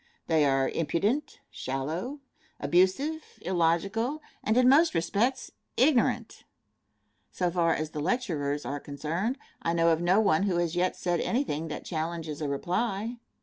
They are impudent, shallow, abusive, illogical, and in most respects, ignorant. So far as the lecturers are concerned, I know of no one who has yet said anything that challenges a reply.